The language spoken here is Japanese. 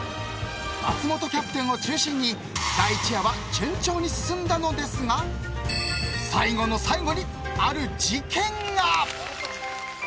松本キャプテンを中心に第一夜は順調に進んだのですが最後の最後にある事件が。